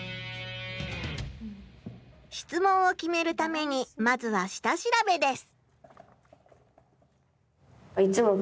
質問を決めるためにまずは下調べです。